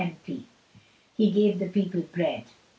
M.P., "HE GAVE THE PEOPLE BREAD."